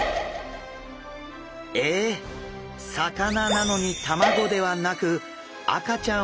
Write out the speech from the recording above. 魚なのに卵ではなくえっ赤ちゃん？